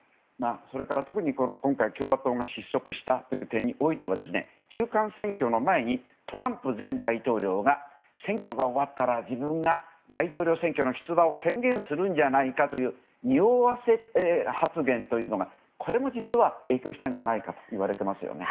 それから特に今回共和党が失速したという点においては中間選挙の前にトランプ前大統領が選挙が終わったら自分が大統領選挙の出馬を宣言するんじゃないかというにおわせ発言というのがこれも実は影響したんじゃないかといわれていますよね。